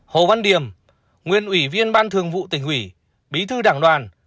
hồ văn điểm nguyên ủy viên ban thường vụ tỉnh ủy bí thư đảng đoàn